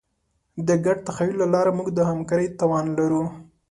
د ګډ تخیل له لارې موږ د همکارۍ توان لرو.